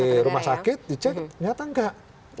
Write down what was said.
iya di rumah sakit dicek ternyata nggak